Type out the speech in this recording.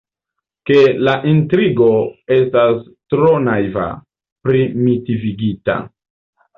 Ke la intrigo estas tro naiva, primitivigita.